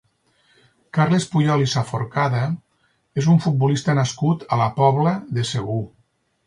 Carles Puyol i Saforcada és un futbolista nascut a la Pobla de Segur.